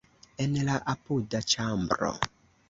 En la apuda ĉambro.